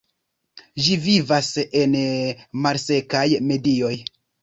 Ĝi vivas en malsekaj medioj.